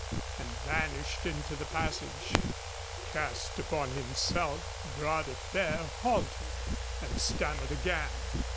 and vanished into the passage. Cast upon himself, Bras de Fer halted and stammered again.